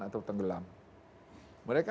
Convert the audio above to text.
atau tenggelam mereka